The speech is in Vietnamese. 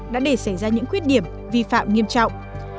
đã để xảy ra những khuyết điểm vi phạm nghiêm trọng